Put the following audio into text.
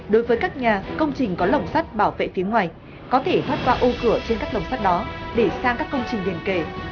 đối với các nhà công trình có lồng sắt bảo vệ phía ngoài có thể thoát qua ô cửa trên các lồng sắt đó để sang các công trình liên kể